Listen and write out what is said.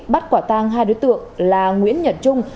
bắt quả tang hai đối tượng là nguyễn nhật trung